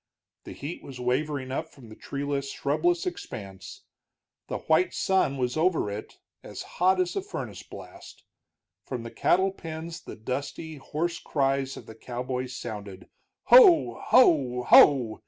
The heat was wavering up from the treeless, shrubless expanse; the white sun was over it as hot as a furnace blast. From the cattle pens the dusty, hoarse cries of the cowboys sounded, "Ho, ho, ho!"